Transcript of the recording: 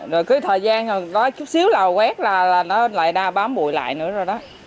rồi cứ thời gian có chút xíu lào quét là nó lại bám bụi lại nữa rồi đó